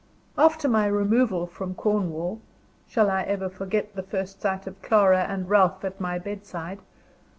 After my removal from Cornwall (shall I ever forget the first sight of Clara and Ralph at my bedside!)